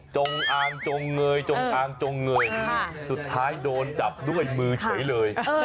จงอางจงเงยจงอางจงเงยสุดท้ายโดนจับด้วยมือเฉยเลย